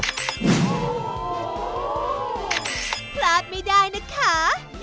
พลาดไม่ได้นะคะ